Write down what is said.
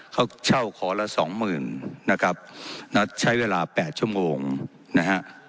เขาเช่าขอละสองหมื่นนะครับนัดใช้เวลาแปดชั่วโมงนะฮะ